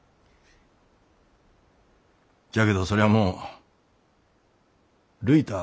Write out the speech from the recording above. じゃけどそりゃあもうるいたあ